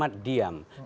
ketika media massa diam